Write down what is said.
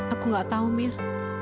aku nggak tahu mir